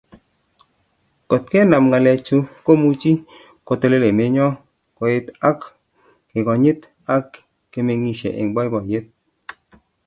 Ngotkenam ngalechu komuchi kotelel emenyo, koet ak kekonyit ak kemengisie eng boiboiyet